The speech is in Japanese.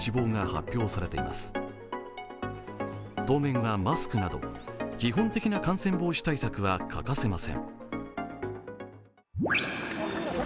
当面はマスクなど基本的な感染防止対策は欠かせません。